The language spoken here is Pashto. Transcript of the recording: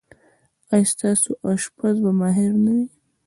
ایا ستاسو اشپز به ماهر نه وي؟